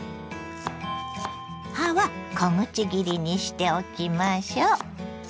葉は小口切りにしておきましょ。